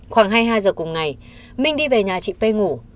khoảng hai mươi hai h cùng ngày minh đi về nhà chị pê ngủ